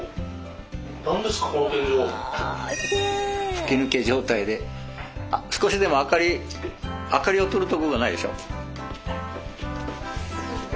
吹き抜け状態で少しでも明かり明かりをとるとこがないでしょ。